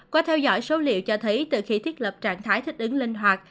qua theo dõi số liệu cho thấy từ khi thiết lập trạng thái thích ứng linh hoạt